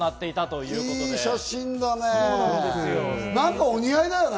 いい写真だね。